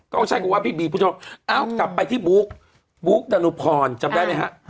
ก็ใช่กลุ่มว่าพี่บีพุทธพงศ์เอ้ากลับไปที่บุ๊กบุ๊กดานุพรจำได้ไหมฮะ